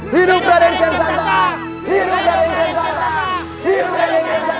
hidup raden kian santan